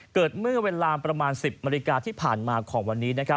เกิดเมื่อเวลา๑๐มริกาที่ผ่านมาของวันนี้